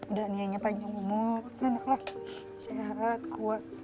udah nia nya panjang umur kenaklah sehat kuat